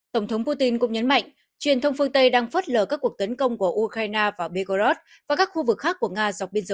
tổng thống putin cũng nhấn mạnh truyền thông phương tây đang phớt lờ các cuộc tấn công của ukraine vào begorod và các khu vực khác của nga dọc biên giới